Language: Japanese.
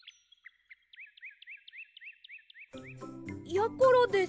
やころです。